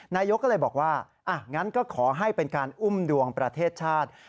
นายกก็เลยบอกว่างั้นก็ขอให้เป็นการอุ้มดวงประเทศชาติ